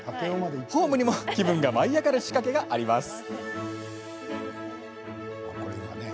ホームにも気分が舞い上がる仕掛けがあります。